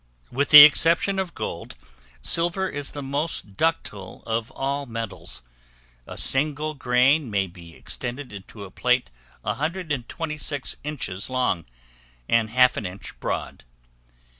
With the exception of gold, silver is the most ductile of all metals: a single grain may be extended into a plate 126 inches long, and half an inch broad.